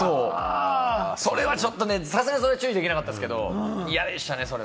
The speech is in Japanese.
それはちょっとさすがにそれは注意できなかったですけど、嫌でしたね。